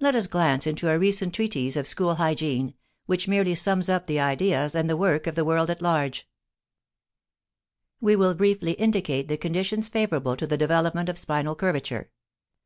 Let us glance into a recent treatise of school hygiene, which merely sums up the ideas and the work of the world at large: "We will briefly indicate the conditions favorable to the development of spinal curvature.